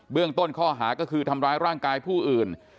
ต้นข้อหาก็คือทำร้ายร่างกายผู้อื่น